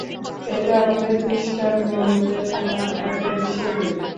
এটা আমাদের খ্রিস্টান বন্ধুদের জন্য একটা বিশেষ দিন।